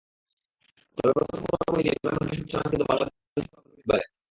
তবে প্রথম পর্ব মিলিয়ে টুর্নামেন্টের সর্বোচ্চ রান কিন্তু বাংলাদেশের ওপেনার তামিম ইকবালের।